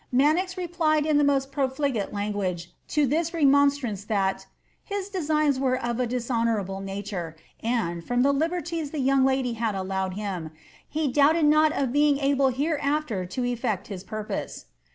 ' Manoz replied in the most profligate language to this remonstnDce that ^ his designs were of a dishonourable nature, and, from the libertiei the young lady had allowed him, he doubted not of being able hereafier to effect his purpose."